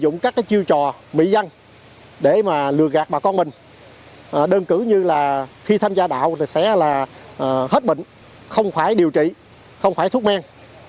nếu như là khi tham gia đạo thì sẽ là hết bệnh không phải điều trị không phải thuốc men